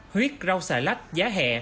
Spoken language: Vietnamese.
huyết rau xà lách giá hẹ